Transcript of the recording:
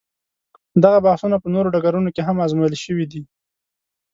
دغه بحثونه په نورو ډګرونو کې هم ازمویل شوي دي.